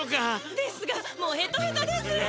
ですがもうヘトヘトです。